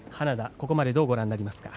ここまでどうご覧になりますか。